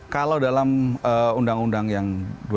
kalau dalam undang undang yang dua ribu tiga belas